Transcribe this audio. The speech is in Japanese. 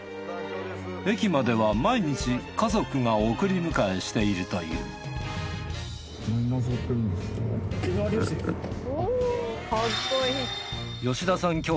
駅までは毎日家族が送り迎えしているという吉田さん